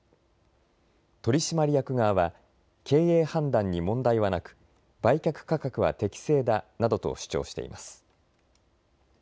取締役側は経営判断に問題はなく売却価格は適正だなどと主張しています。